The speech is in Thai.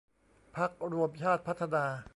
พรรครวมชาติพัฒนา